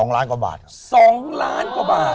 ๒ล้านกว่าบาท